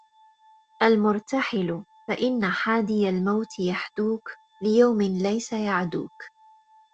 الْمُرْتَحِلِ فَإِنَّ حَادِيَ الْمَوْتِ يَحْدُوك ، لِيَوْمٍ لَيْسَ يَعْدُوك